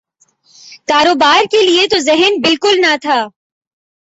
کاروبار کیلئے تو ذہن بالکل نہ تھا۔